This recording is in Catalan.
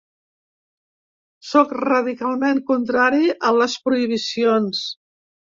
Sóc radicalment contrari a les prohibicions.